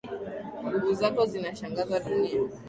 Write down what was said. Nguvu zako zashangaza dunia.